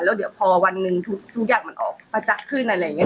แล้วเดี๋ยวพอวันหนึ่งทุกอย่างมันออกประจักษ์ขึ้นอะไรอย่างนี้